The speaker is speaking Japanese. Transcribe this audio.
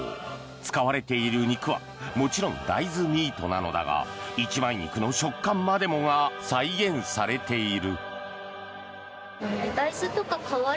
使われている肉はもちろん大豆ミートなのだが一枚肉の食感までもが再現されている。